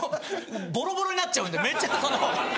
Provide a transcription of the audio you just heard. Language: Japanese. ボロボロになっちゃうんでめっちゃ。